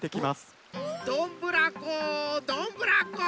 どんぶらこどんぶらこ。